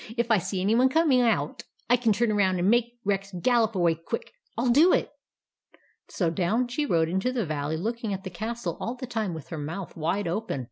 " If I see any one coming out, I can turn around and make Rex gallop away quick. I '11 do it !" So down she rode into the valley, looking at the castle all the time with her mouth wide open.